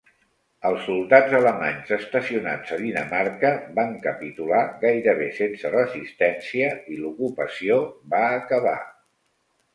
Els soldats alemanys estacionats a Dinamarca van capitular gairebé sense resistència i l'ocupació va acabar.